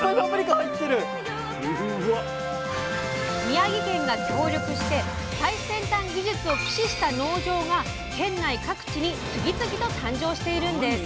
宮城県が協力して最先端技術を駆使した農場が県内各地に次々と誕生しているんです！